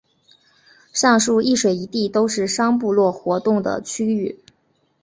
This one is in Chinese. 上述一水一地都是商部落活动的区域。